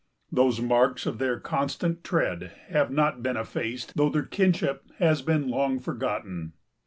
Those marks of their constant tread have not been effaced though their kinship has been long forgotten.